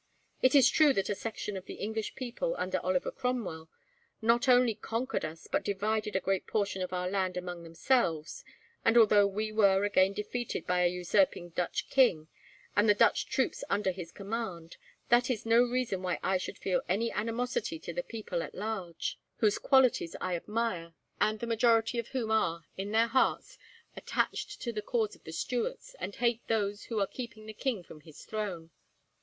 It is true that a section of the English people, under Oliver Cromwell, not only conquered us, but divided a great portion of our land among themselves; and, although we were again defeated by a usurping Dutch king, with the Dutch troops under his command, that is no reason why I should feel any animosity to the people at large, whose qualities I admire, and the majority of whom are, in their hearts, attached to the cause of the Stuarts, and hate those who are keeping the king from his throne.